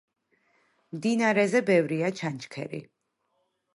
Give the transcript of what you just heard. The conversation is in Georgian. მდინარეზე ბევრია ჩანჩქერი.